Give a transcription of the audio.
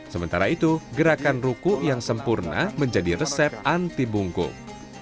sementara itu gerakan ruku yang sempurna menjadi resep anti bungkung